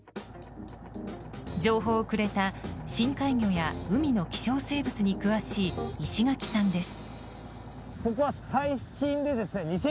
情報をくれた深海魚や海の希少生物に詳しい石垣さんです。